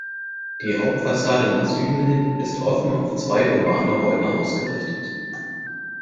Die Hauptfassade nach Süden hin ist offen auf zwei urbane Räume ausgerichtet.